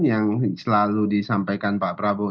yang selalu disampaikan pak prabowo